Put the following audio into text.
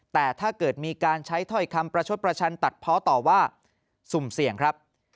แต่ถ้าเกิดมีการใช้ถ้อยคำประชดประชันตัดเพาะต่อว่าสุ่มเสี่ยงครับ